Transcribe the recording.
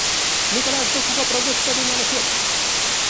Nicolás no jugó producto de una lesión.